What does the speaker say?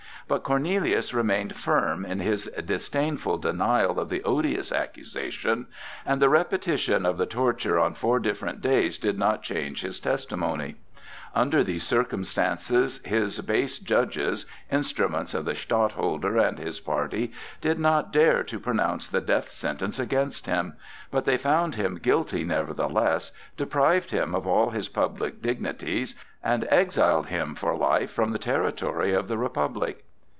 But Cornelius remained firm in his disdainful denial of the odious accusation, and the repetition of the torture on four different days did not change his testimony. Under these circumstances his base judges, instruments of the Stadtholder and his party, did not dare to pronounce the death sentence against him; but they found him guilty nevertheless, deprived him of all his public dignities, and exiled him for life from the territory of the Republic.